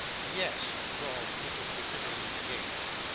'Yes,' drawled Mrs. Wititterly again.